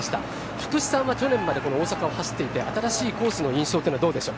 福士さんは去年までこの大阪を走っていて新しいコースの印象というのはどうでしょう？